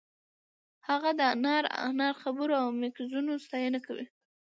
هغه د انار انار خبرو او مکیزونو ستاینه کوي